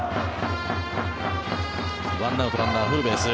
１アウトランナーフルベース。